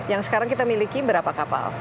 yang sekarang kita miliki berapa kapal